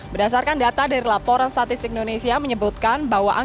berdasarkan data dari laporan statistik indonesia menyebutkan bahwa